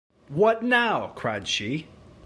“What now?” cried she.